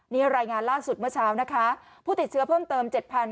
นี่รายงานล่าสุดเมื่อเช้านะคะผู้ติดเชื้อเพิ่มเติม๗๐๐